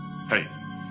はい。